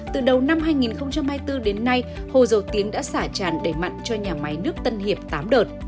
từ đầu năm hai nghìn hai mươi bốn đến nay hồ dầu tiếng đã sả tràn đầy mặn cho nhà máy nước tân hiệp tám đợt